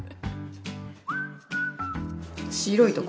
白いとこ。